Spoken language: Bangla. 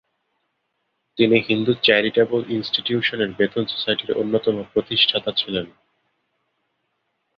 তিনি হিন্দু চ্যারিট্যাবল ইনস্টিটিউশনের বেথুন সোসাইটির অন্যতম প্রতিষ্ঠাতা ছিলেন।